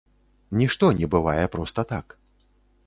Нішто не бывае проста так.